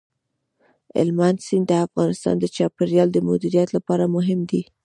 هلمند سیند د افغانستان د چاپیریال د مدیریت لپاره مهم دی.